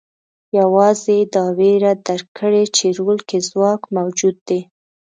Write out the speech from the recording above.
یوازې یې دا وېره درک کړې چې رول کې ځواک موجود دی.